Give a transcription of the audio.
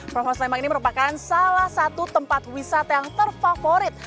promo sleman ini merupakan salah satu tempat wisata yang terfavorit